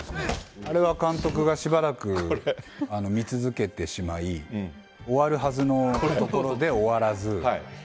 あれは監督がしばらく見続けてしまい、終わるはずのところで終わらず。